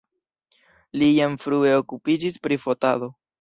Li jam frue okupiĝis pri fotado.